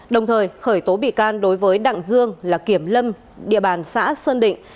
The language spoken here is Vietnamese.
đồng thời khởi tố bị can đối với đặng dương là kiểm lâm địa bàn xã sơn định